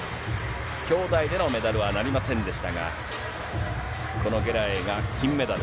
兄弟でのメダルはなりませんでしたが、このゲラエイが金メダル。